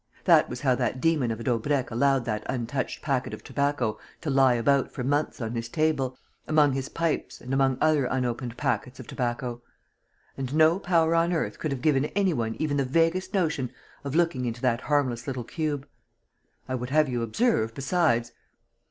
That was how that demon of a Daubrecq allowed that untouched packet of tobacco to lie about for months on his table, among his pipes and among other unopened packets of tobacco. And no power on earth could have given any one even the vaguest notion of looking into that harmless little cube. I would have you observe, besides...."